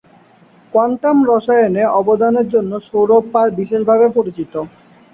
Quantum রসায়নে অবদানের জন্য সৌরভ পাল বিশেষভাবে পরিচিত।